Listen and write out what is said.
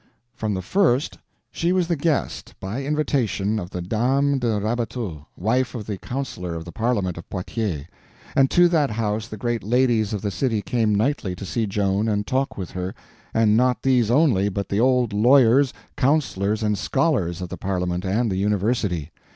From the first she was the guest, by invitation, of the dame De Rabateau, wife of a councilor of the Parliament of Poitiers; and to that house the great ladies of the city came nightly to see Joan and talk with her; and not these only, but the old lawyers, councilors and scholars of the Parliament and the University.